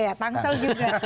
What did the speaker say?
iya tangsel juga